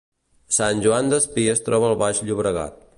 sant Joan Despí es troba al Baix Llobregat